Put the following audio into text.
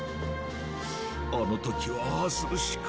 あの時はああするしか。